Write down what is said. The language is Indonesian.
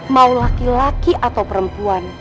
mau laki laki atau perempuan